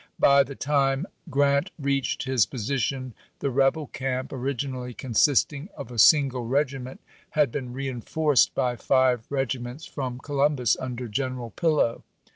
By the time Grrant reached his position the rebel camp, originally consisting of a single regiment, had been reenforced by five regiments from Columbus under General Pillow.